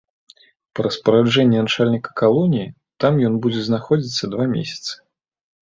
Па распараджэнні начальніка калоніі там ён будзе знаходзіцца два месяцы.